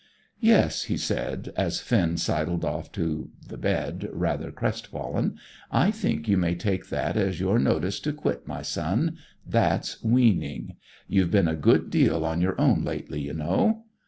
"Yes," he said, as Finn sidled off to the bed rather crestfallen, "I think you may take that as your notice to quit, my son; that's weaning. You've been a good deal on your own lately, you know.